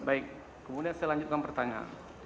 baik kemudian saya lanjutkan pertanyaan